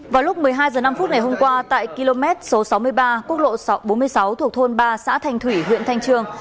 vào lúc một mươi hai h năm hôm qua tại km số sáu mươi ba quốc lộ bốn mươi sáu thuộc thôn ba xã thanh thủy huyện thanh trương